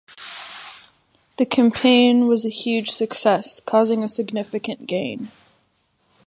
The campaign was a huge success, causing a significant gain.